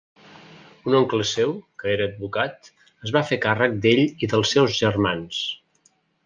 Un oncle seu, que era advocat, es va fer càrrec d'ell i els seus germans.